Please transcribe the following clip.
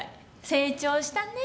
成長したね。